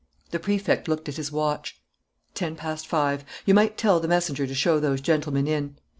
The Prefect looked at his watch. "Ten past five. You might tell the messenger to show those gentlemen in....